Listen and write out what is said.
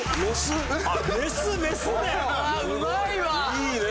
いいね！